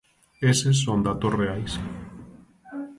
Eses son datos reais.